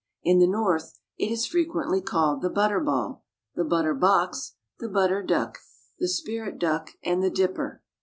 In the North it is frequently called the Butter ball, the Butter box, the Butter duck, the Spirit duck and the Dipper.